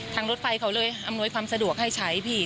รถไฟเขาเลยอำนวยความสะดวกให้ใช้พี่